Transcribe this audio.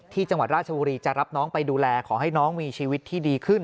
ที่จังหวัดราชบุรีจะรับน้องไปดูแลขอให้น้องมีชีวิตที่ดีขึ้น